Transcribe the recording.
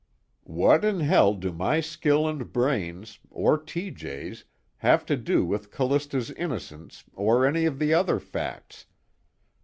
What in hell do my skill and brains, or T.J.'s, have to do with Callista's innocence or any of the other facts?